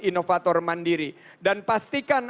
inovator mandiri dan pastikan